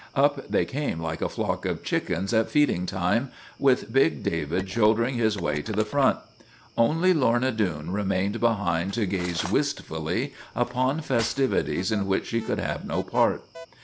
Up they came like a flock of chickens at feeding time, with big David shouldering his way to the front. Only Lorna Doone remained behind to gaze wistfully upon fes tivities in which she could have no part.